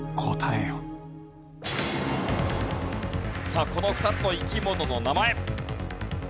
さあこの２つの生き物の名前。